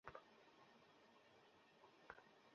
ঠিক আছে ভাল, তোমার ওজন কমেছে কিন্তু, হাইট কীভাবে বাড়াবে?